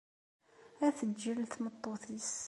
Ad teǧǧel tmeṭṭut-is.